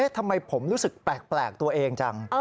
ทำไมผมรู้สึกแปลกตัวเองจัง